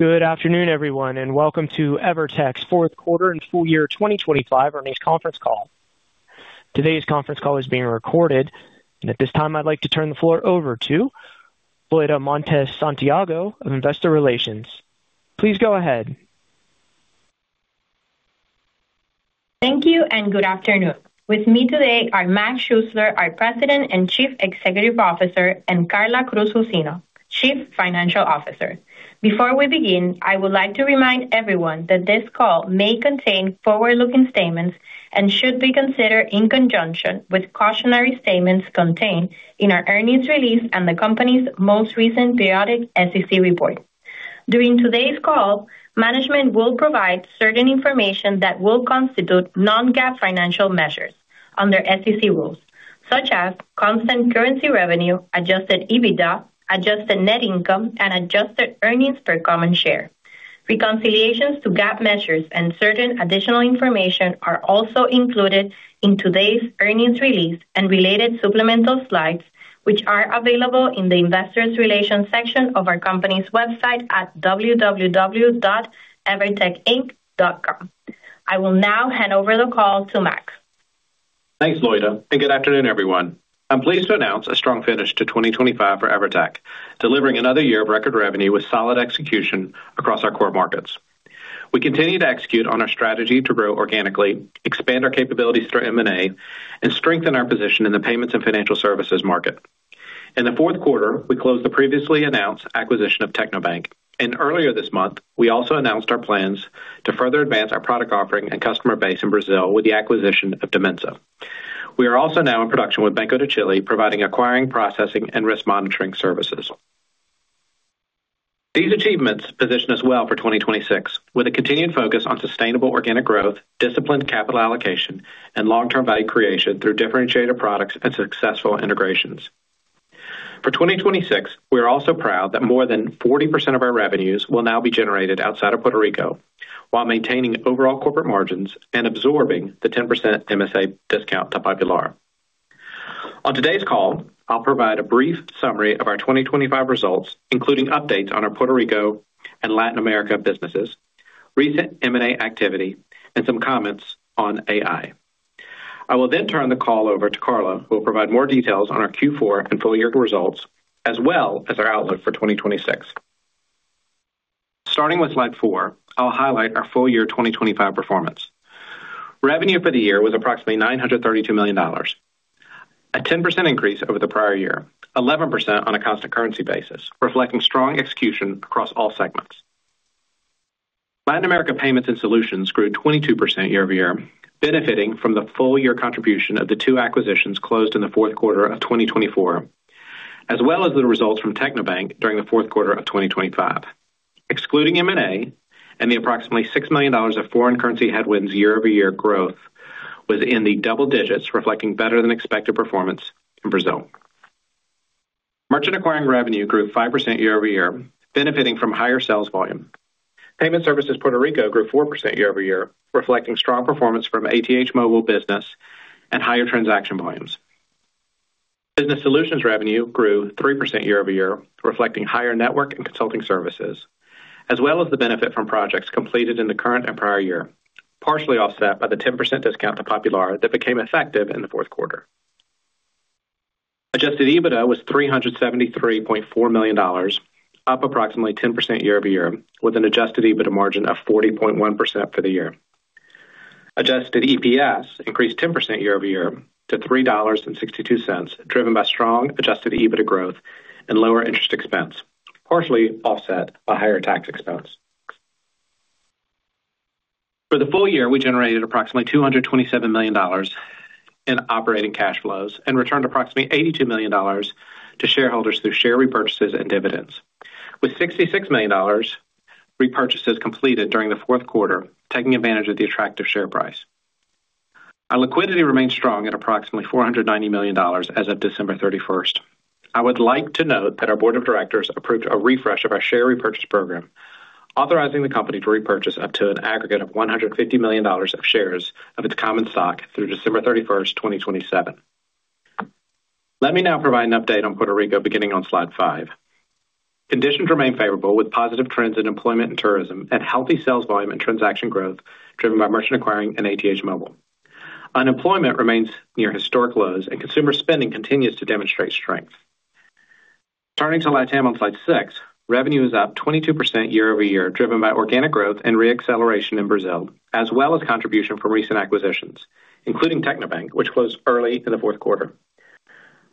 Good afternoon, everyone, and welcome to EVERTEC's fourth quarter and full year 2025 earnings conference call. Today's conference call is being recorded. At this time, I'd like to turn the floor over to Loyda Montes Santiago of Investor Relations. Please go ahead. Thank you. Good afternoon. With me today are Mac Schuessler, our President and Chief Executive Officer, and Karla Cruz-Jusino, Chief Financial Officer. Before we begin, I would like to remind everyone that this call may contain forward-looking statements and should be considered in conjunction with cautionary statements contained in our earnings release and the company's most recent periodic SEC report. During today's call, management will provide certain information that will constitute Non-GAAP financial measures under SEC rules, such as constant currency revenue, adjusted EBITDA, adjusted net income, and adjusted earnings per common share. Reconciliations to GAAP measures and certain additional information are also included in today's earnings release and related supplemental slides, which are available in the Investor Relations section of our company's website at www.evertecinc.com. I will now hand over the call to Mac. Thanks, Loida. Good afternoon, everyone. I'm pleased to announce a strong finish to 2025 for EVERTEC, delivering another year of record revenue with solid execution across our core markets. We continue to execute on our strategy to grow organically, expand our capabilities through M&A, and strengthen our position in the payments and financial services market. In the fourth quarter, we closed the previously announced acquisition of Tecnobank. Earlier this month, we also announced our plans to further advance our product offering and customer base in Brazil with the acquisition of Dimensa. We are also now in production with Banco de Chile, providing acquiring, processing, and risk monitoring services. These achievements position us well for 2026, with a continued focus on sustainable organic growth, disciplined capital allocation, and long-term value creation through differentiated products and successful integrations. For 2026, we are also proud that more than 40% of our revenues will now be generated outside of Puerto Rico, while maintaining overall corporate margins and absorbing the 10% MSA discount to Popular. On today's call, I'll provide a brief summary of our 2025 results, including updates on our Puerto Rico and Latin America businesses, recent M&A activity, and some comments on AI. I will turn the call over to Karla, who will provide more details on our fourth quarter and full year results, as well as our outlook for 2026. Starting with slide four, I'll highlight our full year 2025 performance. Revenue for the year was approximately $932 million, a 10% increase over the prior year, 11% on a constant currency basis, reflecting strong execution across all segments. Latin America Payments and Solutions grew 22% year-over-year, benefiting from the full year contribution of the two acquisitions closed in the fourth quarter of 2024, as well as the results from Tecnobank during the fourth quarter of 2025. Excluding M&A and the approximately $6 million of foreign currency headwinds year-over-year growth was in the double digits, reflecting better than expected performance in Brazil. Merchant Acquiring revenue grew 5% year-over-year, benefiting from higher sales volume. Payment Services Puerto Rico grew 4% year-over-year, reflecting strong performance from ATH Móvil Business and higher transaction volumes. Business Solutions revenue grew 3% year-over-year, reflecting higher network and consulting services, as well as the benefit from projects completed in the current and prior year, partially offset by the 10% discount to Popular that became effective in the fourth quarter. Adjusted EBITDA was $373.4 million, up approximately 10% year-over-year, with an Adjusted EBITDA margin of 40.1% for the year. Adjusted EPS increased 10% year-over-year to $3.62, driven by strong Adjusted EBITDA growth and lower interest expense, partially offset by higher tax expense. For the full year, we generated approximately $227 million in operating cash flows and returned approximately $82 million to shareholders through share repurchases and dividends, with $66 million repurchases completed during the fourth quarter, taking advantage of the attractive share price. Our liquidity remains strong at approximately $490 million as of December 31st. I would like to note that our board of directors approved a refresh of our share repurchase program, authorizing the company to repurchase up to an aggregate of $150 million of shares of its common stock through December 31st, 2027. Let me now provide an update on Puerto Rico, beginning on slide five. Conditions remain favorable, with positive trends in employment and tourism and healthy sales volume and transaction growth driven by Merchant Acquiring and ATH Móvil. Unemployment remains near historic lows and consumer spending continues to demonstrate strength. Turning to LatAm on slide six, revenue is up 22% year-over-year, driven by organic growth and re-acceleration in Brazil, as well as contribution from recent acquisitions, including Tecnobank, which closed early in the fourth quarter.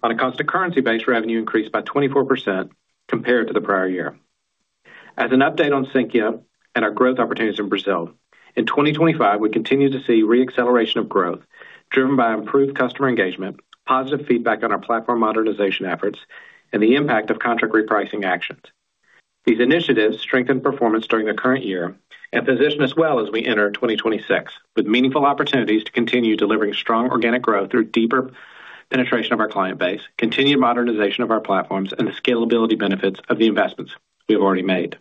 On a constant currency basis, revenue increased by 24% compared to the prior year. As an update on Sinqia and our growth opportunities in Brazil, in 2025, we continue to see re-acceleration of growth driven by improved customer engagement, positive feedback on our platform modernization efforts, and the impact of contract repricing actions. These initiatives strengthen performance during the current year and position us well as we enter 2026, with meaningful opportunities to continue delivering strong organic growth through deeper penetration of our client base, continued modernization of our platforms, and the scalability benefits of the investments we have already made.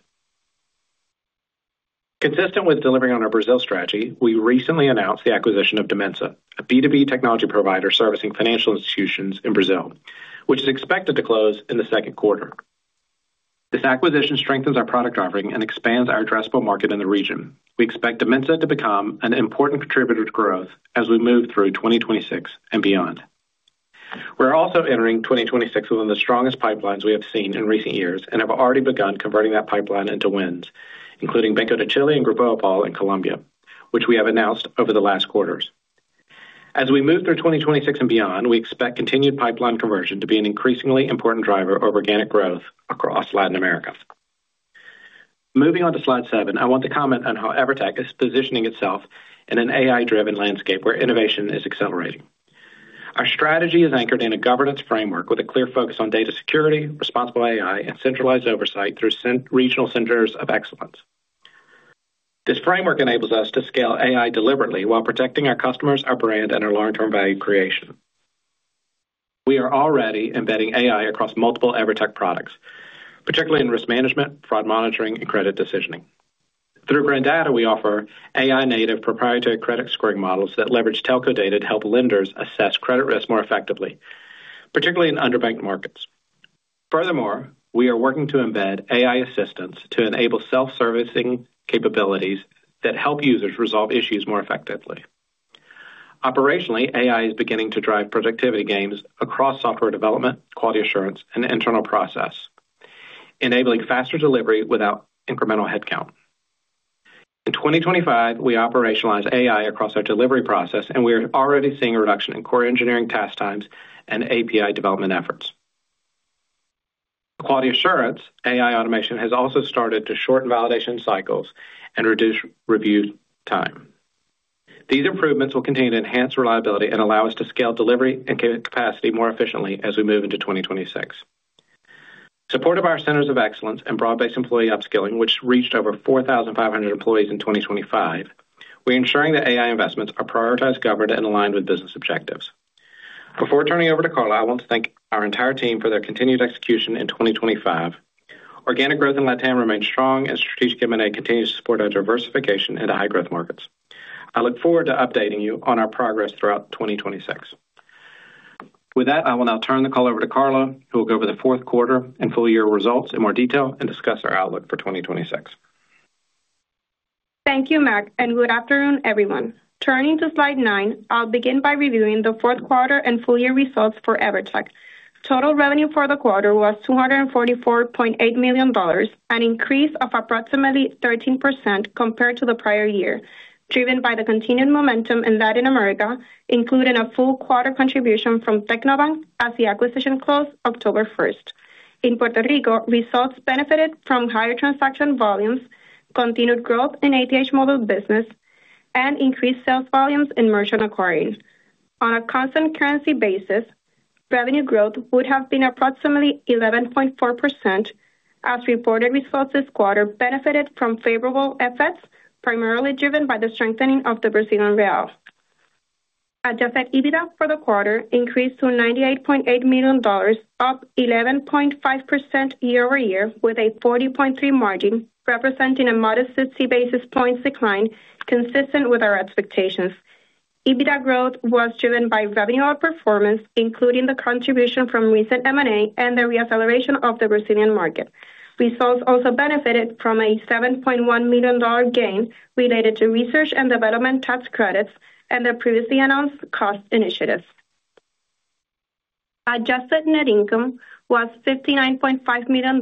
Consistent with delivering on our Brazil strategy, we recently announced the acquisition of Dimensa, a B2B technology provider servicing financial institutions in Brazil, which is expected to close in the second quarter. This acquisition strengthens our product offering and expands our addressable market in the region. We expect Dimensa to become an important contributor to growth as we move through 2026 and beyond. We're also entering 2026 with one of the strongest pipelines we have seen in recent years and have already begun converting that pipeline into wins, including Banco de Chile and Grupo Aval in Colombia, which we have announced over the last quarters. As we move through 2026 and beyond, we expect continued pipeline conversion to be an increasingly important driver of organic growth across Latin America. Moving on to slide seven, I want to comment on how EVERTEC is positioning itself in an AI-driven landscape where innovation is accelerating. Our strategy is anchored in a governance framework with a clear focus on data security, responsible AI, and centralized oversight through regional centers of excellence. This framework enables us to scale AI deliberately while protecting our customers, our brand, and our long-term value creation. We are already embedding AI across multiple EVERTEC products, particularly in risk management, fraud monitoring, and credit decisioning. Through Grandata, we offer AI-native proprietary credit scoring models that leverage telco data to help lenders assess credit risk more effectively, particularly in underbanked markets. We are working to embed AI assistance to enable self-servicing capabilities that help users resolve issues more effectively. Operationally, AI is beginning to drive productivity gains across software development, quality assurance, and internal process, enabling faster delivery without incremental headcount. In 2025, we operationalized AI across our delivery process, we are already seeing a reduction in core engineering task times and API development efforts. Quality assurance, AI automation has also started to shorten validation cycles and reduce review time. These improvements will continue to enhance reliability and allow us to scale delivery and capacity more efficiently as we move into 2026. Support of our centers of excellence and broad-based employee upskilling, which reached over 4,500 employees in 2025, we're ensuring that AI investments are prioritized, governed, and aligned with business objectives. Before turning over to Karla, I want to thank our entire team for their continued execution in 2025. Organic growth in Latin remains strong, and strategic M&A continues to support our diversification into high-growth markets. I look forward to updating you on our progress throughout 2026. With that, I will now turn the call over to Karla, who will go over the 4th quarter and full year results in more detail and discuss our outlook for 2026. Thank you, Mac. Good afternoon, everyone. Turning to slide nine, I'll begin by reviewing the fourth quarter and full year results for EVERTEC. Total revenue for the quarter was $244.8 million, an increase of approximately 13% compared to the prior year, driven by the continued momentum in Latin America, including a full quarter contribution from Tecnobank as the acquisition closed October 1st. In Puerto Rico, results benefited from higher transaction volumes, continued growth in ATH Móvil Business, and increased sales volumes in Merchant Acquiring. On a constant currency basis, revenue growth would have been approximately 11.4%, as reported results this quarter benefited from favorable effects, primarily driven by the strengthening of the Brazilian BRL. Adjusted EBITDA for the quarter increased to $98.8 million, up 11.5% year-over-year, with a 40.3% margin, representing a modest 60 basis points decline consistent with our expectations. EBITDA growth was driven by revenue outperformance, including the contribution from recent M&A and the reacceleration of the Brazilian market. Results also benefited from a $7.1 million gain related to research and development tax credits and the previously announced cost initiatives. Adjusted net income was $59.5 million,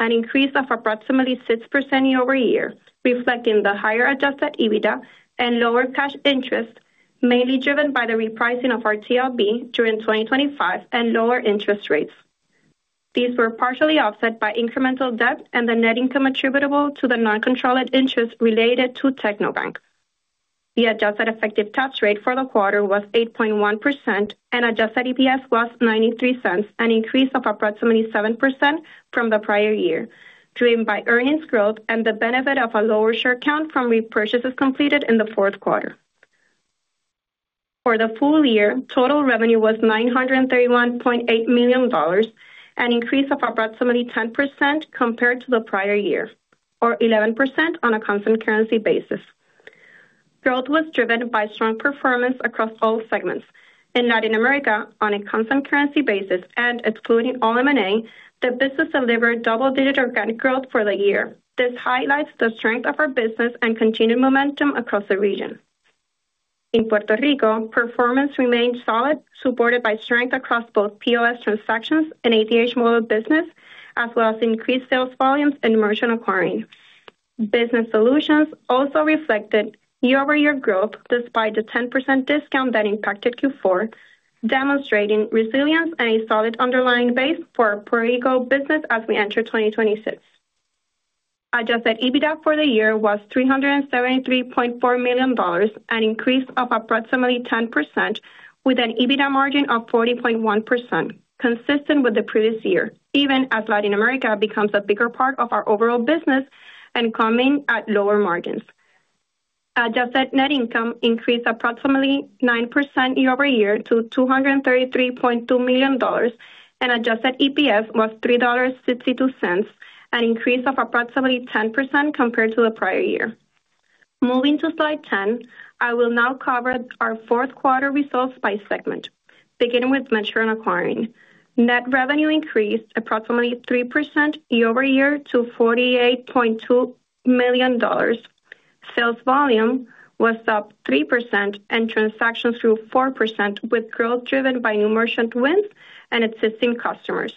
an increase of approximately 6% year-over-year, reflecting the higher adjusted EBITDA and lower cash interest, mainly driven by the repricing of our TLB during 2025 and lower interest rates. These were partially offset by incremental debt and the net income attributable to the non-controlled interest related to Tecnobank. The adjusted effective tax rate for the quarter was 8.1% and adjusted EPS was $0.93, an increase of approximately 7% from the prior year, driven by earnings growth and the benefit of a lower share count from repurchases completed in the fourth quarter. For the full year, total revenue was $931.8 million, an increase of approximately 10% compared to the prior year, or 11% on a constant currency basis. Growth was driven by strong performance across all segments. In Latin America, on a constant currency basis and excluding all M&A, the business delivered double-digit organic growth for the year. This highlights the strength of our business and continued momentum across the region. In Puerto Rico, performance remained solid, supported by strength across both POS transactions and ATH Móvil Business, as well as increased sales volumes and Merchant Acquiring. Business Solutions also reflected year-over-year growth, despite the 10% discount that impacted fourth quarter, demonstrating resilience and a solid underlying base for our Puerto Rico business as we enter 2026. Adjusted EBITDA for the year was $373.4 million, an increase of approximately 10% with an EBITDA margin of 40.1%, consistent with the previous year, even as Latin America becomes a bigger part of our overall business and coming at lower margins. Adjusted net income increased approximately 9% year-over-year to $233.2 million. Adjusted EPS was $3.62, an increase of approximately 10% compared to the prior year. Moving to Slide 10, I will now cover our fourth quarter results by segment, beginning with Merchant Acquiring. Net revenue increased approximately 3% year-over-year to $48.2 million. Sales volume was up 3% and transactions grew 4%, with growth driven by new merchant wins and existing customers.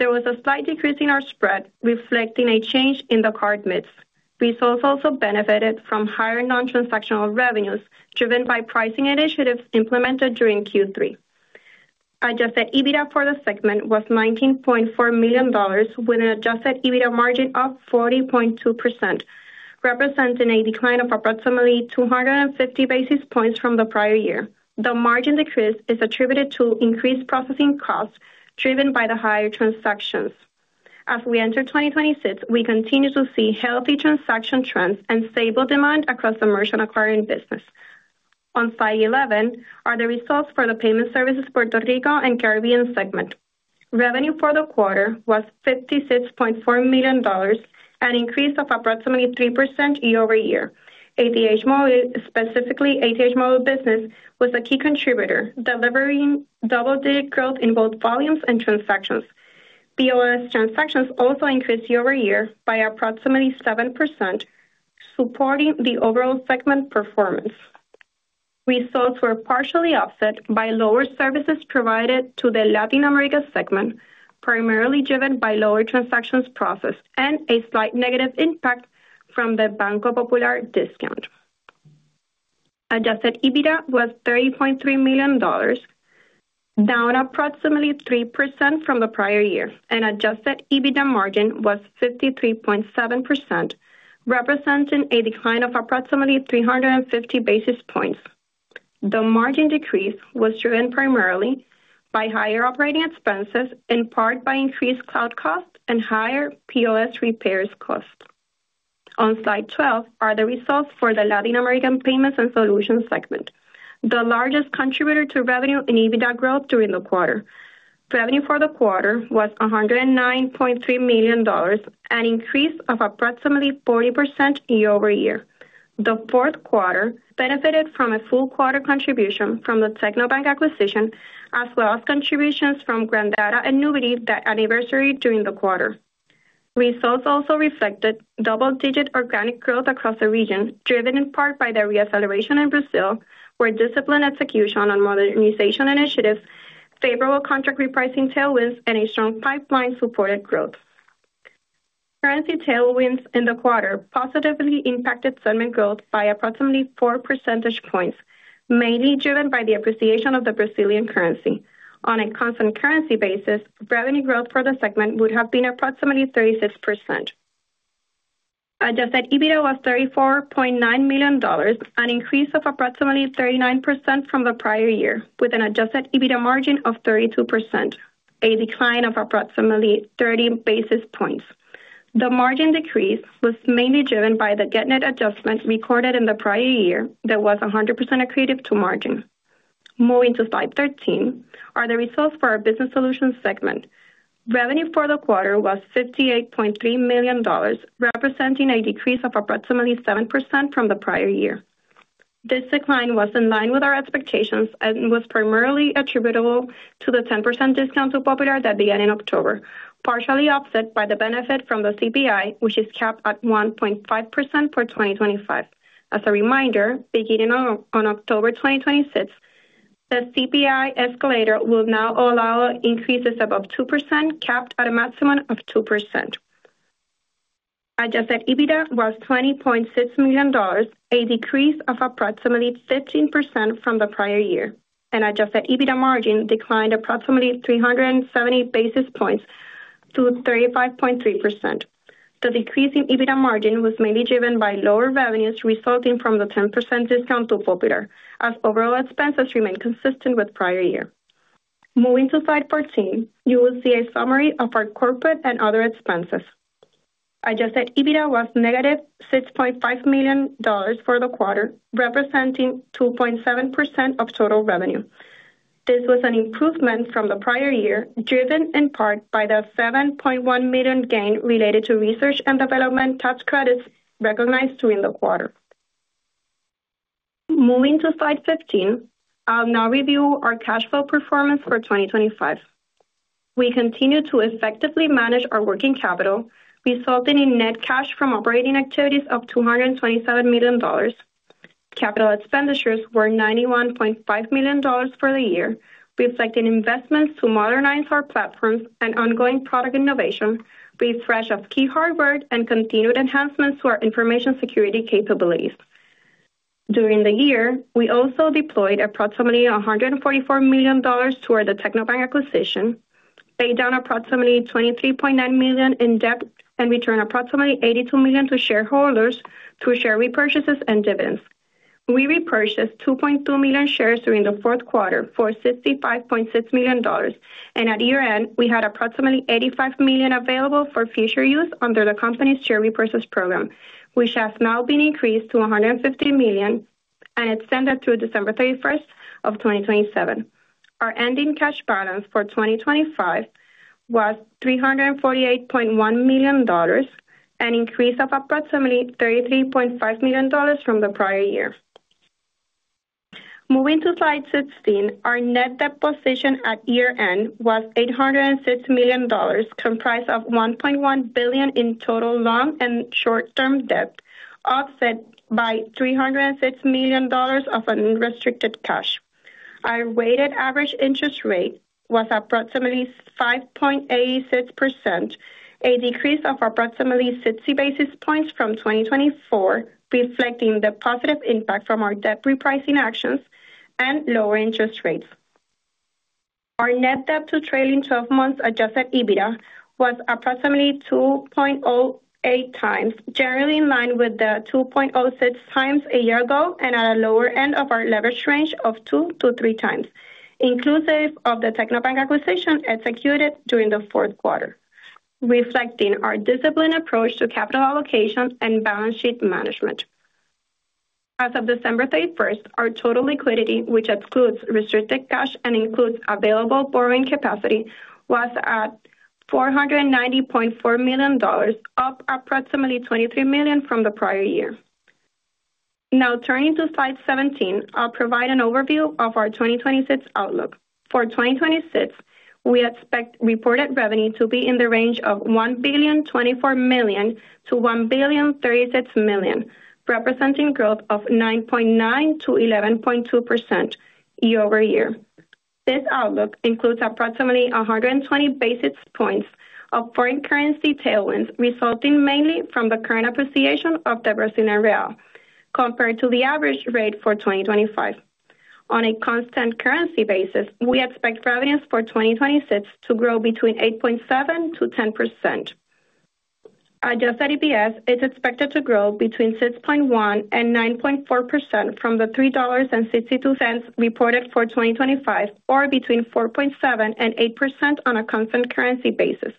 There was a slight decrease in our spread, reflecting a change in the card mix. Results also benefited from higher non-transactional revenues, driven by pricing initiatives implemented during third quarter. Adjusted EBITDA for the segment was $19.4 million, with an adjusted EBITDA margin of 40.2%, representing a decline of approximately 250 basis points from the prior year. The margin decrease is attributed to increased processing costs, driven by the higher transactions. As we enter 2026, we continue to see healthy transaction trends and stable demand across the Merchant Acquiring business. On Slide 11 are the results for the Payment Services - Puerto Rico & Caribbean segment. Revenue for the quarter was $56.4 million, an increase of approximately 3% year-over-year. ATH Móvil, specifically ATH Móvil Business, was a key contributor, delivering double-digit growth in both volumes and transactions. POS transactions also increased year-over-year by approximately 7%, supporting the overall segment performance. Results were partially offset by lower services provided to the Latin America segment, primarily driven by lower transactions processed and a slight negative impact from the Banco Popular discount. Adjusted EBITDA was $30.3 million, down approximately 3% from the prior year, and adjusted EBITDA margin was 53.7%, representing a decline of approximately 350 basis points. The margin decrease was driven primarily by higher operating expenses, in part by increased cloud costs and higher POS repairs costs. On Slide 12 are the results for the Latin America Payments and Solutions segment, the largest contributor to revenue and EBITDA growth during the quarter. Revenue for the quarter was $109.3 million, an increase of approximately 40% year-over-year. The fourth quarter benefited from a full quarter contribution from the Tecnobank acquisition, as well as contributions from Grandata and Nuvei that anniversary during the quarter. Results also reflected double-digit organic growth across the region, driven in part by the reacceleration in Brazil, where disciplined execution on modernization initiatives, favorable contract repricing tailwinds, and a strong pipeline supported growth. Currency tailwinds in the quarter positively impacted segment growth by approximately four percentage points, mainly driven by the appreciation of the Brazilian currency. On a constant currency basis, revenue growth for the segment would have been approximately 36%. Adjusted EBITDA was $34.9 million, an increase of approximately 39% from the prior year, with an adjusted EBITDA margin of 32%, a decline of approximately 30 basis points. The margin decrease was mainly driven by the Getnet adjustments recorded in the prior year that was 100% accretive to margin. Moving to Slide 13 are the results for our Business Solutions segment. Revenue for the quarter was $58.3 million, representing a decrease of approximately 7% from the prior year. This decline was in line with our expectations and was primarily attributable to the 10% discount to Popular that began in October, partially offset by the benefit from the CPI, which is capped at 1.5% for 2025. As a reminder, beginning on October 2026, the CPI escalator will now allow increases above 2%, capped at a maximum of 2%. Adjusted EBITDA was $20.6 million, a decrease of approximately 15% from the prior year, and adjusted EBITDA margin declined approximately 370 basis points to 35.3%. The decrease in EBITDA margin was mainly driven by lower revenues resulting from the 10% discount to Popular, as overall expenses remained consistent with prior year. Moving to Slide 14, you will see a summary of our corporate and other expenses. Adjusted EBITDA was negative $6.5 million for the quarter, representing 2.7% of total revenue. This was an improvement from the prior year, driven in part by the $7.1 million gain related to research and development tax credits recognized during the quarter. Moving to Slide 15, I'll now review our cash flow performance for 2025. We continued to effectively manage our working capital, resulting in net cash from operating activities of $227 million. Capital expenditures were $91.5 million for the year, reflecting investments to modernize our platforms and ongoing product innovation, refresh of key hardware, and continued enhancements to our information security capabilities. During the year, we also deployed approximately $144 million toward the Tecnobank acquisition, paid down approximately $23.9 million in debt, and returned approximately $82 million to shareholders through share repurchases and dividends. We repurchased 2.2 million shares during the fourth quarter for $65.6 million, and at year-end, we had approximately $85 million available for future use under the company's share repurchase program, which has now been increased to $150 million and extended through December 31st, 2027. Our ending cash balance for 2025 was $348.1 million, an increase of approximately $33.5 million from the prior year. Moving to Slide 16. Our net debt position at year-end was $806 million, comprised of $1.1 billion in total long and short-term debt, offset by $306 million of unrestricted cash. Our weighted average interest rate was approximately 5.86%, a decrease of approximately 60 basis points from 2024, reflecting the positive impact from our debt repricing actions and lower interest rates. Our net debt to trailing twelve months adjusted EBITDA was approximately 2.08 times, generally in line with the 2.06 times a year ago and at a lower end of our leverage range of 2-3 times, inclusive of the Tecnobank acquisition executed during the fourth quarter, reflecting our disciplined approach to capital allocation and balance sheet management. As of December 31st, our total liquidity, which excludes restricted cash and includes available borrowing capacity, was at $490.4 million, up approximately $23 million from the prior year. Now, turning to Slide 17, I'll provide an overview of our 2026 outlook. For 2026, we expect reported revenue to be in the range of $1.024 billion-$1.036 billion, representing growth of 9.9%-11.2% year-over-year. This outlook includes approximately 120 basis points of foreign currency tailwinds, resulting mainly from the current appreciation of the Brazilian real compared to the average rate for 2025. On a constant currency basis, we expect revenues for 2026 to grow between 8.7%-10%. Adjusted EPS is expected to grow between 6.1% and 9.4% from the $3.62 reported for 2025, or between 4.7% and 8% on a constant currency basis.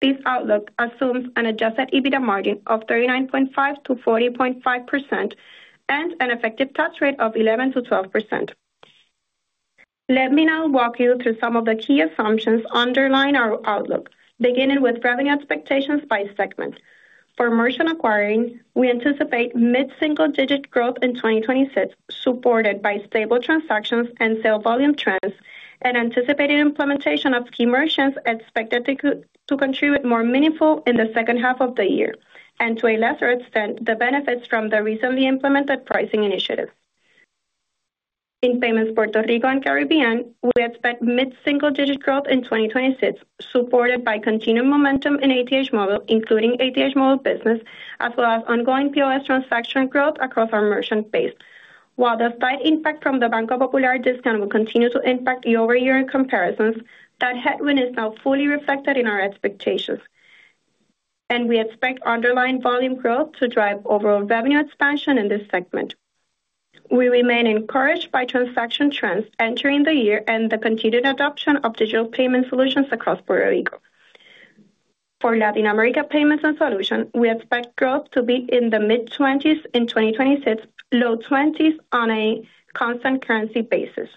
This outlook assumes an adjusted EBITDA margin of 39.5%-40.5% and an effective tax rate of 11%-12%. Let me now walk you through some of the key assumptions underlying our outlook, beginning with revenue expectations by segment. For Merchant Acquiring, we anticipate mid-single-digit growth in 2026, supported by stable transactions and sale volume trends, and anticipated implementation of key merchants expected to contribute more meaningful in the H2 of the year, and to a lesser extent, the benefits from the recently implemented pricing initiatives. In Payments Puerto Rico and Caribbean, we expect mid-single-digit growth in 2026, supported by continued momentum in ATH Móvil, including ATH Móvil Business, as well as ongoing POS transaction growth across our merchant base. While the slight impact from the Banco Popular discount will continue to impact year-over-year comparisons, that headwind is now fully reflected in our expectations, and we expect underlying volume growth to drive overall revenue expansion in this segment. We remain encouraged by transaction trends entering the year and the continued adoption of digital payment solutions across Puerto Rico. For Latin America Payments and Solutions, we expect growth to be in the mid-20s% in 2026, low 20s% on a constant currency basis.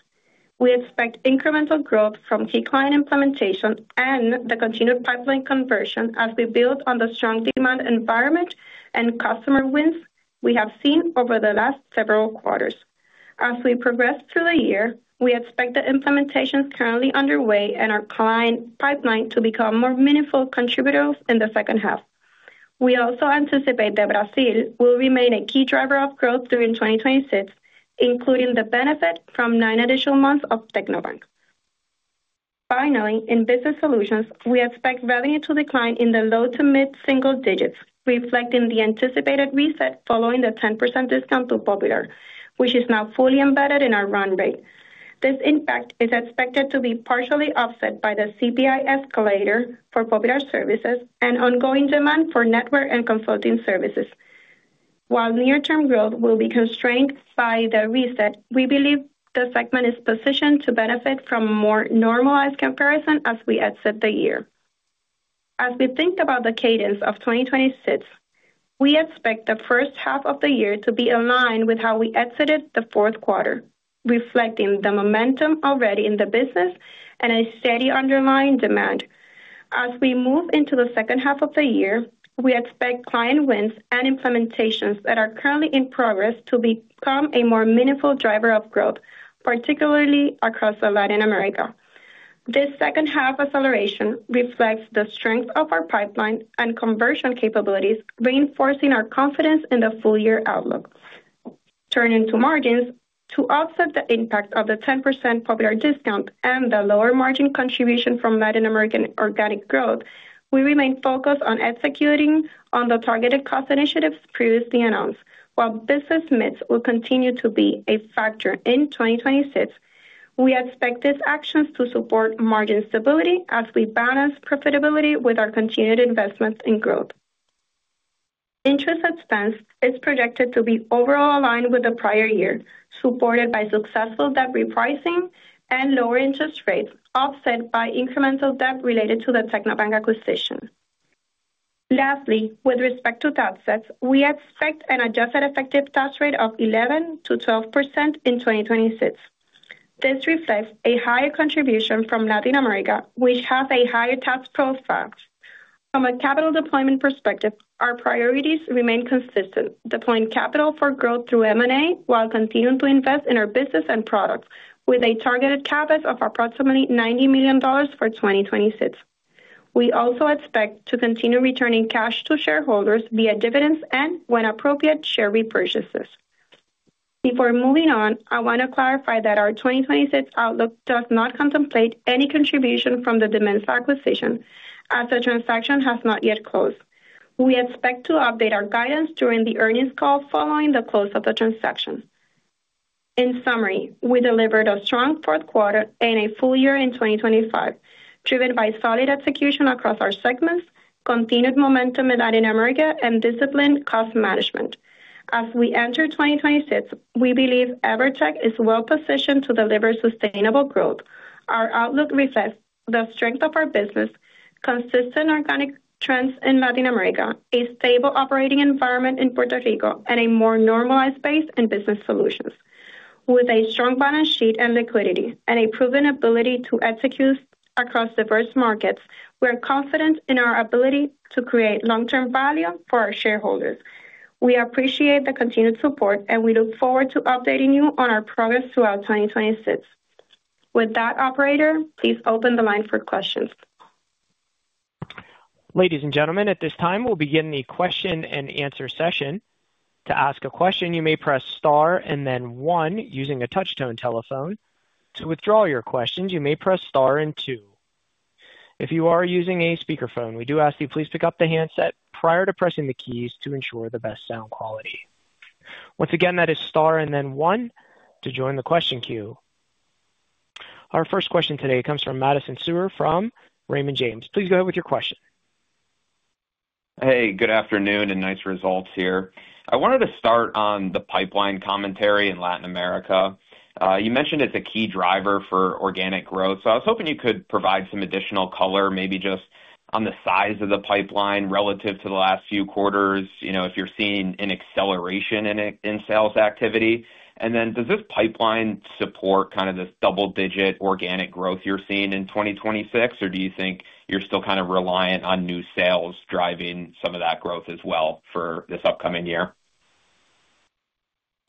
We expect incremental growth from key client implementation and the continued pipeline conversion as we build on the strong demand environment and customer wins we have seen over the last several quarters. As we progress through the year, we expect the implementations currently underway and our client pipeline to become more meaningful contributors in the H2. We also anticipate that Brazil will remain a key driver of growth during 2026, including the benefit from nine additional months of Tecnobank. Finally, in Business Solutions, we expect revenue to decline in the low to mid-single digits, reflecting the anticipated reset following the 10% discount to Popular, which is now fully embedded in our run rate. This impact is expected to be partially offset by the CPI escalator for Popular services and ongoing demand for network and consulting services. While near-term growth will be constrained by the reset, we believe the segment is positioned to benefit from more normalized comparison as we exit the year. As we think about the cadence of 2026, we expect the H1 of the year to be aligned with how we exited the fourth quarter, reflecting the momentum already in the business and a steady underlying demand. As we move into the H2 of the year, we expect client wins and implementations that are currently in progress to become a more meaningful driver of growth, particularly across Latin America. This H2 acceleration reflects the strength of our pipeline and conversion capabilities, reinforcing our confidence in the full year outlook. Turning to margins. To offset the impact of the 10% Popular discount and the lower margin contribution from Latin American organic growth, we remain focused on executing on the targeted cost initiatives previously announced. While business mix will continue to be a factor in 2026. We expect these actions to support margin stability as we balance profitability with our continued investments in growth. Interest expense is projected to be overall aligned with the prior year, supported by successful debt repricing and lower interest rates, offset by incremental debt related to the Tecnobank acquisition. Lastly, with respect to tax sets, we expect an adjusted effective tax rate of 11%-12% in 2026. This reflects a higher contribution from Latin America, which has a higher tax profile. From a capital deployment perspective, our priorities remain consistent: deploying capital for growth through M&A, while continuing to invest in our business and products with a targeted CapEx of approximately $90 million for 2026. We also expect to continue returning cash to shareholders via dividends and, when appropriate, share repurchases. Before moving on, I want to clarify that our 2026 outlook does not contemplate any contribution from the Dimensa acquisition, as the transaction has not yet closed. We expect to update our guidance during the earnings call following the close of the transaction. In summary, we delivered a strong fourth quarter and a full year in 2025, driven by solid execution across our segments, continued momentum in Latin America, and disciplined cost management. As we enter 2026, we believe EVERTEC is well-positioned to deliver sustainable growth. Our outlook reflects the strength of our business, consistent organic trends in Latin America, a stable operating environment in Puerto Rico, and a more normalized base in Business Solutions. With a strong balance sheet and liquidity and a proven ability to execute across diverse markets, we're confident in our ability to create long-term value for our shareholders. We appreciate the continued support, and we look forward to updating you on our progress throughout 2026. With that, operator, please open the line for questions. Ladies and gentlemen, at this time, we'll begin the question-and-answer session. To ask a question, you may press Star and then One using a touch-tone telephone. To withdraw your questions, you may press Star and Two. If you are using a speakerphone, we do ask you please pick up the handset prior to pressing the keys to ensure the best sound quality. Once again, that is Star and then One to join the question queue. Our first question today comes from Madison Suhr from Raymond James. Please go ahead with your question. Good afternoon, and nice results here. I wanted to start on the pipeline commentary in Latin America. You mentioned it's a key driver for organic growth, so I was hoping you could provide some additional color, maybe just on the size of the pipeline relative to the last few quarters, you know, if you're seeing an acceleration in it, in sales activity. Does this pipeline support kind of this double-digit organic growth you're seeing in 2026, or do you think you're still kind of reliant on new sales driving some of that growth as well for this upcoming year?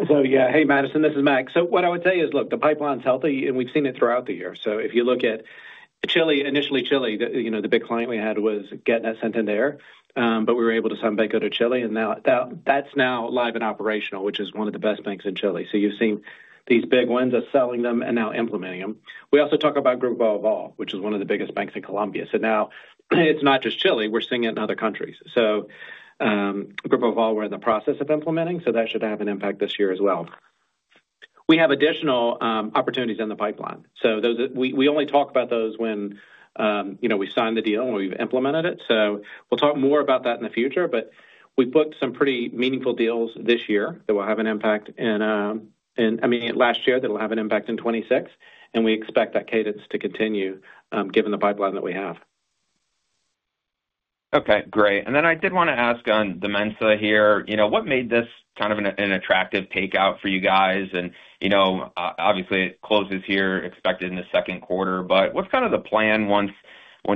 Yeah. Hey, Madison, this is Mac. What I would tell you is, look, the pipeline's healthy, and we've seen it throughout the year. If you look at Chile, initially, Chile, you know, the big client we had was Getnet in there, but we were able to sign Banco de Chile, and now that's now live and operational, which is one of the best banks in Chile. You've seen these big wins of selling them and now implementing them. We also talk about Grupo Aval, which is one of the biggest banks in Colombia. Now it's not just Chile, we're seeing it in other countries. Grupo Aval, we're in the process of implementing, so that should have an impact this year as well. We have additional opportunities in the pipeline. We only talk about those when, you know, we sign the deal and we've implemented it. We'll talk more about that in the future. We've booked some pretty meaningful deals this year that will have an impact in, I mean, last year, that will have an impact in 2026, and we expect that cadence to continue, given the pipeline that we have. Okay, great. I did want to ask on Dimensa here, you know, what made this kind of an attractive takeout for you guys? you know, obviously, it closes here, expected in the second quarter, but what's kind of the plan once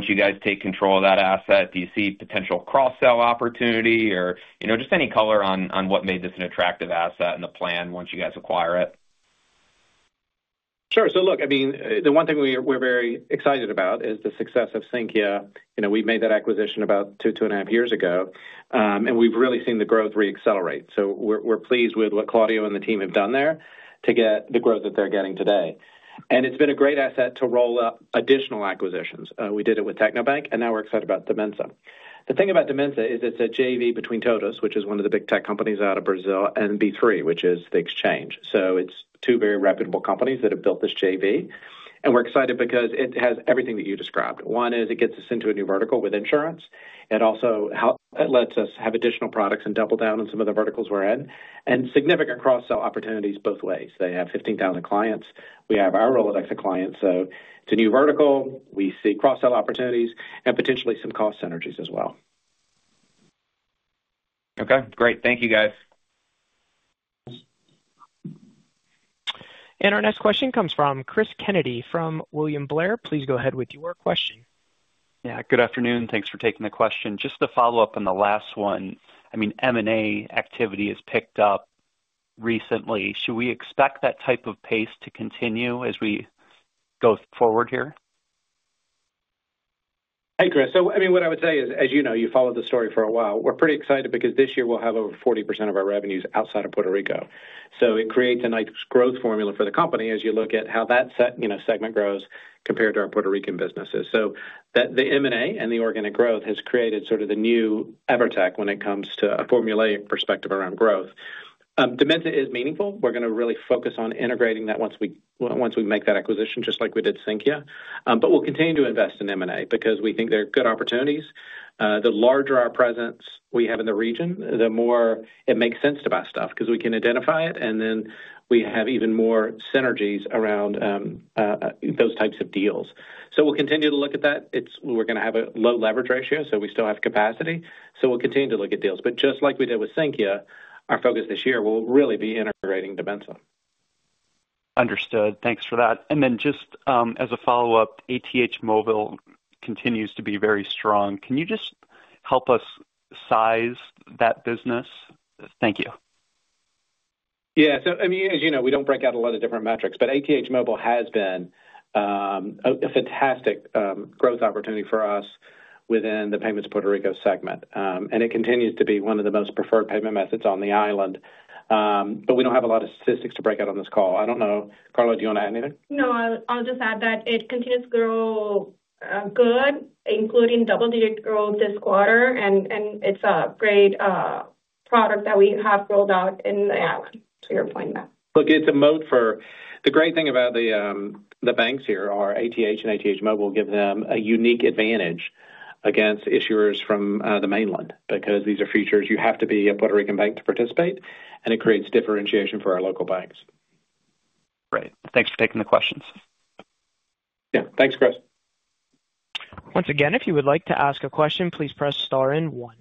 you guys take control of that asset? Do you see potential cross-sell opportunity or, you know, just any color on what made this an attractive asset and the plan once you guys acquire it? Sure. Look, I mean, the one thing we're very excited about is the success of Sinqia. You know, we made that acquisition about two-and-a-half years ago, and we've really seen the growth reaccelerate. We're pleased with what Claudio and the team have done there to get the growth that they're getting today. It's been a great asset to roll up additional acquisitions. We did it with Tecnobank, now we're excited about Dimensa. The thing about Dimensa is it's a JV between TOTVS, which is one of the big tech companies out of Brazil, and B3, which is the exchange. It's two very reputable companies that have built this JV, we're excited because it has everything that you described. One is it gets us into a new vertical with insurance. It also lets us have additional products and double down on some of the verticals we're in and significant cross-sell opportunities both ways. They have 15,000 clients. We have our Rolodex of clients. It's a new vertical. We see cross-sell opportunities and potentially some cost synergies as well. Okay, great. Thank you, guys. Our next question comes from Cris Kennedy, from William Blair. Please go ahead with your question. Good afternoon. Thanks for taking the question. Just to follow up on the last one, I mean, M&A activity has picked up recently. Should we expect that type of pace to continue as we go forward here? Chris. I mean, what I would say is, as you know, you followed the story for a while. We're pretty excited because this year we'll have over 40% of our revenues outside of Puerto Rico. It creates a nice growth formula for the company as you look at how that set, you know, segment grows compared to our Puerto Rican businesses. That the M&A and the organic growth has created sort of the new EVERTEC when it comes to a formulaic perspective around growth. Dimensa is meaningful. We're going to really focus on integrating that once we make that acquisition, just like we did Sinqia. We'll continue to invest in M&A because we think they're good opportunities. The larger our presence we have in the region, the more it makes sense to buy stuff because we can identify it, and then we have even more synergies around those types of deals. We'll continue to look at that. We're going to have a low leverage ratio, so we still have capacity, so we'll continue to look at deals. Just like we did with Sinqia, our focus this year will really be integrating Dimensa. Understood. Thanks for that. Just, as a follow-up, ATH Móvil continues to be very strong. Can you just help us size that business? Thank you. Yeah, I mean, as you know, we don't break out a lot of different metrics, but ATH Móvil has been a fantastic growth opportunity for us within the Payments Puerto Rico segment. It continues to be one of the most preferred payment methods on the island. We don't have a lot of statistics to break out on this call. I don't know. Karla, do you want to add anything? No, I'll just add that it continues to grow, good, including double-digit growth this quarter, and it's a great product that we have rolled out in the island, to your point, Mac. The great thing about the banks here are ATH and ATH Móvil give them a unique advantage against issuers from the mainland because these are features you have to be a Puerto Rican bank to participate. It creates differentiation for our local banks. Great. Thanks for taking the questions. Yeah. Thanks, Chris. Once again, if you would like to ask a question, please press star and one.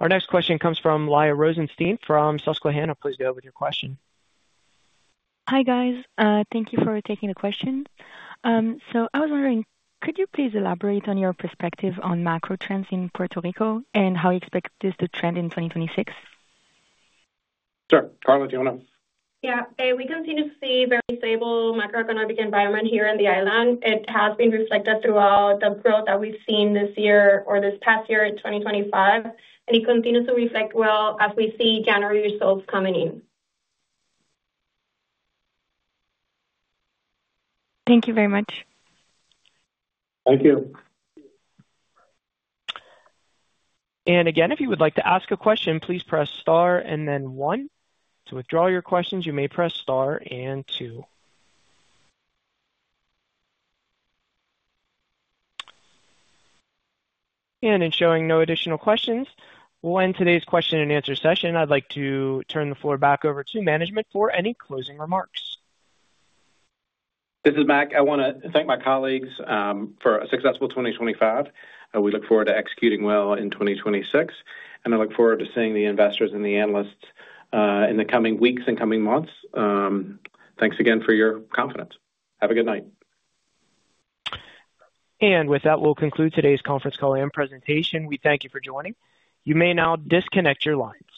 Our next question comes from Liya Rosenstein from Susquehanna. Please go ahead with your question. Hi, guys. Thank you for taking the questions. I was wondering, could you please elaborate on your perspective on macro trends in Puerto Rico and how you expect this to trend in 2026? Sure. Karla, do you want to? Yeah. We continue to see very stable macroeconomic environment here on the island. It has been reflected throughout the growth that we've seen this year or this past year in 2025, it continues to reflect well as we see January results coming in. Thank you very much. Thank you. Again, if you would like to ask a question, please press star and then one. To withdraw your questions, you may press star and two. In showing no additional questions, we'll end today's question and answer session. I'd like to turn the floor back over to management for any closing remarks. This is Mac. I want to thank my colleagues, for a successful 2025. We look forward to executing well in 2026. I look forward to seeing the investors and the analysts, in the coming weeks and coming months. Thanks again for your confidence. Have a good night. With that, we'll conclude today's conference call and presentation. We thank you for joining. You may now disconnect your line.